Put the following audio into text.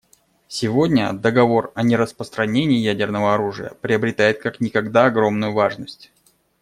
Сегодня Договор о нераспространении ядерного оружия приобретает как никогда огромную важность.